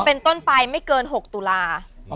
เป็นต้นไปไม่เกิน๖ตุลา